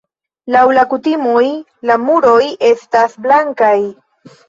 Laŭ la kutimoj la muroj estas blankaj.